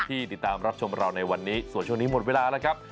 ติดตามรับชมเราในวันนี้ส่วนช่วงนี้หมดเวลาแล้วครับ